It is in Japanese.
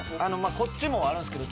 こっちもあるんすけど。